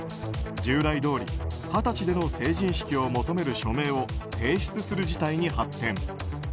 従来どおり二十歳での成人式を求める署名を提出する事態に発展。